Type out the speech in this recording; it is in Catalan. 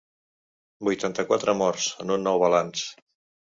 Vuitanta-quatre morts, en un nou balanç.